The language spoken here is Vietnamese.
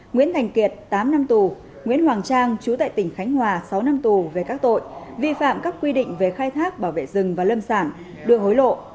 nguyễn thành kiệt tám năm tù nguyễn hoàng trang chú tại tỉnh khánh hòa sáu năm tù về các tội vi phạm các quy định về khai thác bảo vệ rừng và lâm sản đưa hối lộ